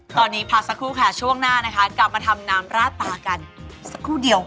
ตอนนี้พักสักครู่ค่ะช่วงหน้านะคะกลับมาทำน้ำราดตากันสักครู่เดียว